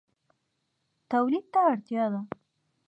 تولید ته اړتیا ده